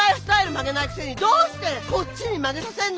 曲げないくせにどうしてこっちに曲げさせんのよ！？